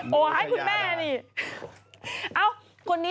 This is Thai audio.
โบ่ย่าย่าดา